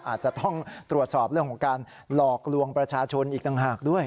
อาจจะต้องตรวจสอบเรื่องของการหลอกลวงประชาชนอีกต่างหากด้วย